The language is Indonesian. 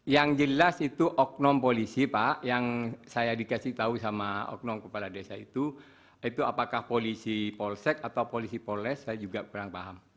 yang jelas itu oknum polisi pak yang saya dikasih tahu sama oknum kepala desa itu itu apakah polisi polsek atau polisi polres saya juga kurang paham